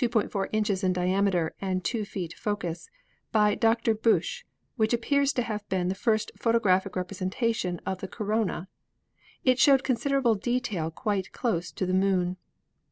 4 inches in diameter and 2 feet focus) by Dr. Busch, which appears to have been the first photographic representation of the corona. It showed considerable detail quite close to the Moon."